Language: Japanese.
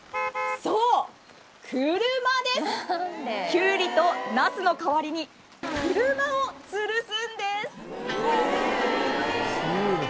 キュウリとナスの代わりに車をつるすんです。